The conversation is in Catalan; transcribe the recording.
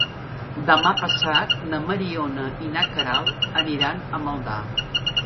Demà passat na Mariona i na Queralt aniran a Maldà.